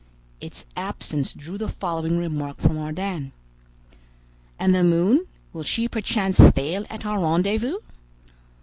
Its absence drew the following remark from Ardan: "And the moon; will she perchance fail at our rendezvous?"